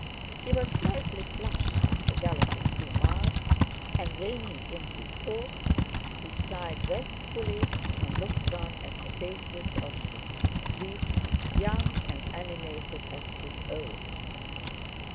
He was slightly flushed after galloping two miles, and reining in his horse he sighed restfully and looked round at the faces of his suite, young and animated as his own.